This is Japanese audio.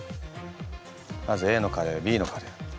まずＡのカレーＢのカレー。